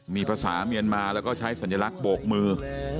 มีภาษาเมียนมาแล้วก็ใช้สัญลักษณ์โบกมือ